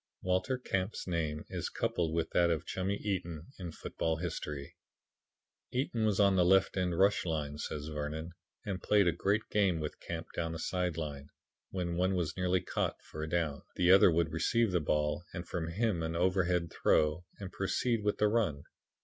Walter Camp's name is coupled with that of Chummy Eaton in football history. "Eaton was on the left end rush line," says Vernon, "and played a great game with Camp down the side line. When one was nearly caught for a down, the other would receive the ball from him on an over head throw and proceed with the run.